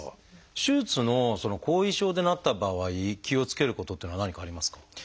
手術の後遺症でなった場合気をつけることっていうのは何かありますか？